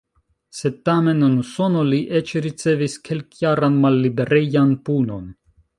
Sed tamen, en Usono li eĉ ricevis kelkjaran malliberejan punon!